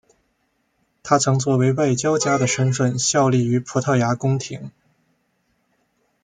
他曾作为外交家的身份效力于葡萄牙宫廷。